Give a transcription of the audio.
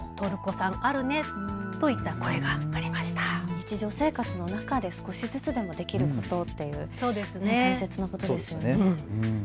日常生活の中で少しずつでもできることという、大切なことですよね。